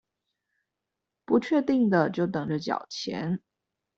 不確定的就等著繳錢